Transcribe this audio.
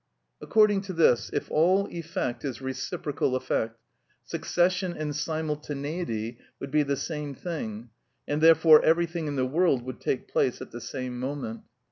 According to this, if all effect is reciprocal effect, succession and simultaneity would be the same thing, and therefore everything in the world would take place at the same moment.